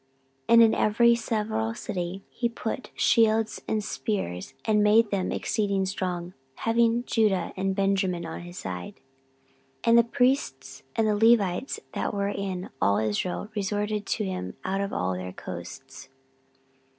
14:011:012 And in every several city he put shields and spears, and made them exceeding strong, having Judah and Benjamin on his side. 14:011:013 And the priests and the Levites that were in all Israel resorted to him out of all their coasts.